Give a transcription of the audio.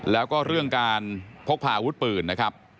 แล้วก็เรื่องการพกพาอาวุธปืนนะครับ